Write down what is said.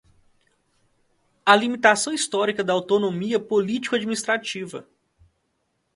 a limitação histórica da autonomia político-administrativa